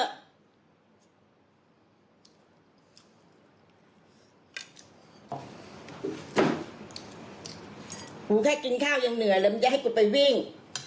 กูแค่กินข้าวยังเหนื่อยเลยมึงจะให้กูไปวิ่ง